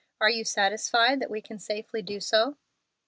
Are you satisfied that we can safely do so?"